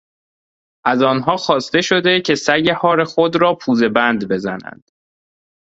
از آنها خواسته شده که سگ هار خود را پوزهبند بزنند.